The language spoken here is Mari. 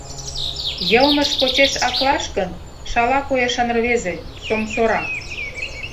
Йылмыж почеш аклаш гын, шала койышан рвезе, сомсора.